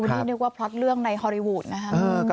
อันนี้นึกว่าเพราะเรื่องในฮอลลี่วูดนะครับ